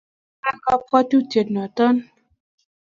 makararan kabwotutie noto